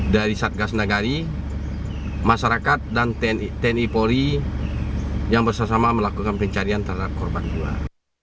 dari satgas nagari masyarakat dan tni polri yang bersama sama melakukan pencarian terhadap korban jiwa